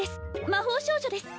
魔法少女です